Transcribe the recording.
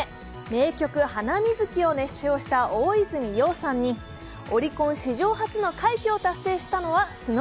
名曲「ハナミズキ」を熱唱した大泉洋さんにオリコン史上初の快挙を達成したのはＳｎｏｗＭｅｎ。